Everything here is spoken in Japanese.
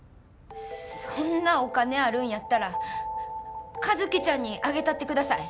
そんなお金あるんやったら和希ちゃんにあげたってください。